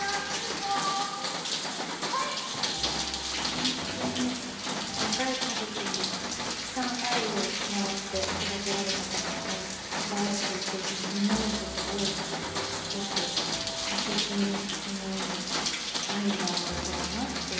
本当にあったかい家族にたっくさん愛をもらって育てられた子なので関わっていく人みんなのことをすごく大切に思える愛がある子だなっていうのはすごく感じてます。